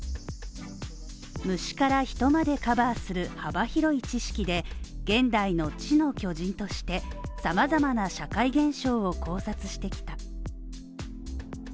虫から人までカバーする幅広い知識で、現代の知の巨人として様々な社会現象を考察してきた。